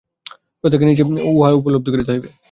প্রত্যেককে নিজে উহা উপলব্ধি করিতে হইবে।